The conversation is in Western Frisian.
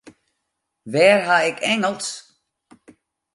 Wêr ha ik Ingelsk?